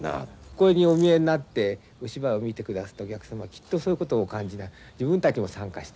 これにお見えになってお芝居を見てくださったお客様きっとそういうことをお感じに自分たちも参加してる。